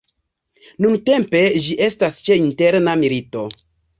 Nuntempe, ĝi estas ĉe interna milito.